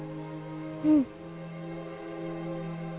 うん。